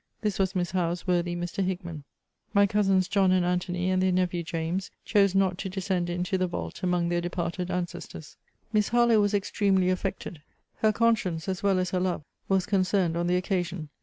This was Miss Howe's worthy Mr. Hickman. My cousins John and Antony and their nephew James chose not to descend into the vault among their departed ancestors. Miss Harlowe was extremely affected. Her conscience, as well as her love, was concerned on the occasion.